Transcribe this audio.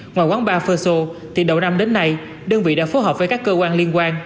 ngoài quán bar phơ sô thì đầu năm đến nay đơn vị đã phối hợp với các cơ quan liên quan